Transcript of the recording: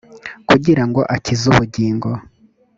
kugira ngo akize ubugingo